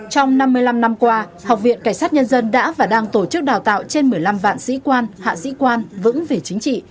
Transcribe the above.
trong năm mươi năm năm qua học viện cảnh sát nhân dân đã và đang tổ chức đào tạo trên một mươi năm vạn sĩ quan hạ sĩ quan vững về chính trị